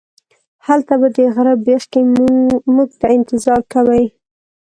هلته به د غره بیخ کې موږ ته انتظار کوئ.